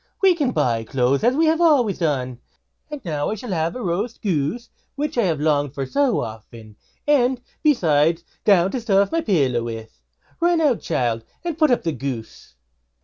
We can buy clothes now, as we have always done; and now I shall have roast goose, which I have longed for so often; and, besides, down to stuff my little pillow with. Run out, child, and put up the goose."